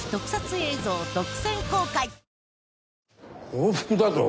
報復だと？